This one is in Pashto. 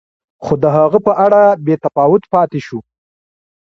خو د هغه په اړه بې تفاوت پاتې شو.